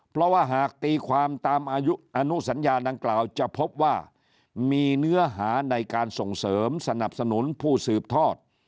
เพราะว่าหากตีความตามอายุอนุสัญญาดังกล่าวจะพบว่ามีเนื้อหาในการส่งเสริมสนับสนุนผู้สืบทอด